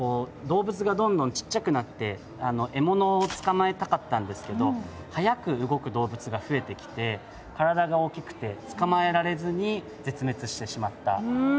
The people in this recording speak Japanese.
動物がどんどんちっちゃくなって獲物を捕まえたかったんですけど速く動く動物が増えてきて体が大きくて捕まえられずに絶滅してしまった